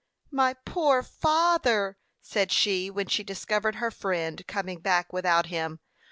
"My poor father!" said she, when she discovered her friend coming back without him.